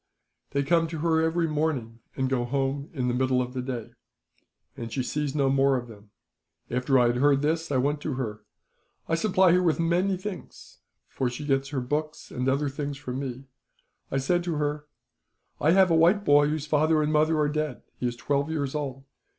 They come to her every morning, and go home in the middle of the day, and she sees no more of them. "After I had heard this, I went to her. I supply her with many things, for she gets her books and other things from me. I said to her: "'I have a white boy whose father and mother are dead. He is twelve years old.